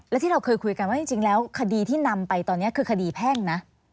และที่เราเคยคุยกันว่าจริงแล้วคดีที่นำไปตอนนี้คือคดีแพ่งนะ